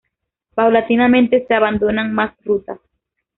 Paulatinamente se abandonan más rutas.